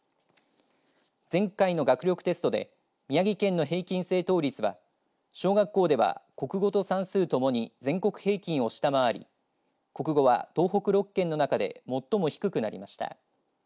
前回の学力テストで宮城県の平均正答率は小学校では国語と算数ともに全国平均を下回り国語は、東北６県の中で最も低くなりました。